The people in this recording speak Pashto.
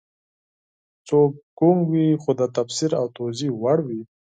څه ګونګ وي خو د تفسیر او توضیح وړ وي